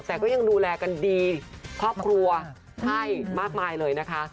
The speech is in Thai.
แต่ก็ยังดูแลกันดีครอบครัวใช่มากมายเลยนะคะ